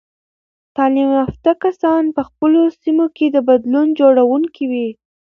تعلیم یافته کسان په خپلو سیمو کې د بدلون جوړونکي وي.